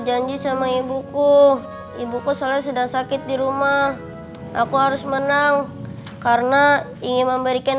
janji sama ibuku ibuku salah sedang sakit di rumah aku harus menang karena ingin memberikan